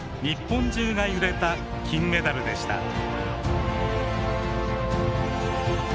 日本中が揺れた金メダルでした。